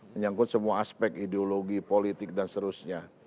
menyangkut semua aspek ideologi politik dan seterusnya